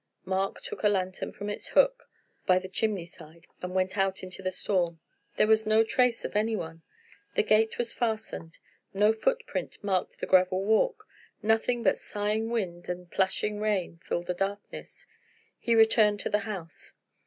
Mark took a lantern from its hook by the chimney side, and went out into the storm. There was no trace of any one. The gate was fastened, no foot print marked the gravel walk; nothing but sighing wind and plashing rain filled the darkness. He returned to the house.